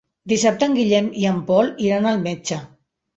Dissabte en Guillem i en Pol iran al metge.